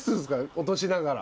落としながら。